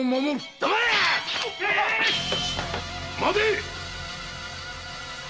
待て！